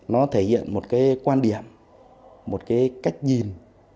nó thể hiện một cái quan điểm một cái cách nhìn